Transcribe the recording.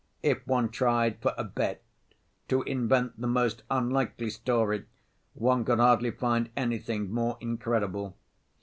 If one tried for a bet to invent the most unlikely story, one could hardly find anything more incredible.